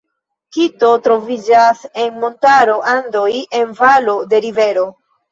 Kito troviĝas en montaro Andoj en valo de rivero.